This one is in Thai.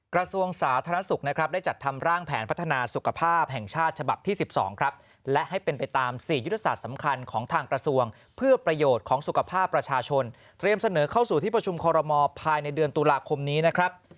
กระทรวงสาธารณสุขนะครับได้จัดทำร่างแผนพัฒนาสุขภาพแห่งชาติฉบับที่๑๒ครับและให้เป็นไปตาม๔ยุทธศาสตร์สำคัญของทางกระทรวงเพื่อประโยชน์ของสุขภาพประชาชนเตรียมเสนอเข้าสู่ที่ประชุมคอรมอลภายในเดือนตุลาคมนี้นะครับ